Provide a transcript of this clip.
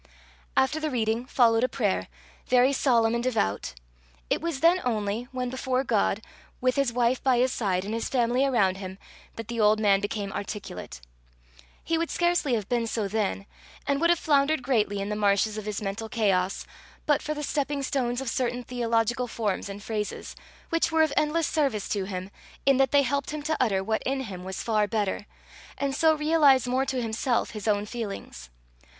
After the reading followed a prayer, very solemn and devout. It was then only, when before God, with his wife by his side, and his family around him, that the old man became articulate. He would scarcely have been so then, and would have floundered greatly in the marshes of his mental chaos, but for the stepping stones of certain theological forms and phrases, which were of endless service to him in that they helped him to utter what in him was far better, and so realise more to himself his own feelings.